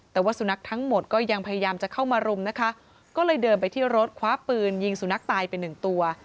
แต่ว่าสุนัขทั้งหมดก็ยังพยายามจะเข้ามารุมนะคะก็เลยเดินไปที่รถคว้าปืนยิงสุนัขตายไปหนึ่งตัว